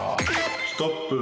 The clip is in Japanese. ストップ。